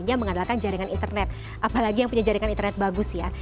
yang mengandalkan jaringan internet apalagi yang punya jaringan internet bagus ya